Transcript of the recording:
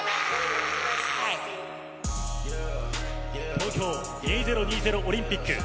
東京２０２０オリンピック。